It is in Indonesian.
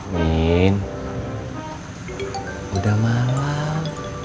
min udah malam